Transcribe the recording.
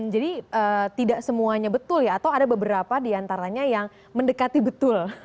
jadi tidak semuanya betul ya atau ada beberapa diantaranya yang mendekati betul